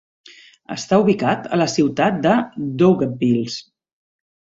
Està ubicat a la ciutat de Daugavpils.